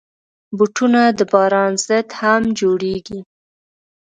بوټونه د باران ضد هم جوړېږي.